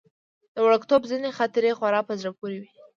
د وړکتوب ځينې خاطرې خورا په زړه پورې وي.